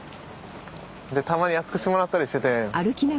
でたまに安くしてもらったりしてて。